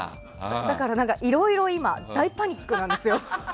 だから、いろいろ大パニックなんですよ。